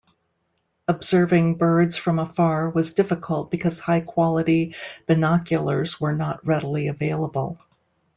Observing birds from afar was difficult because high quality binoculars were not readily available.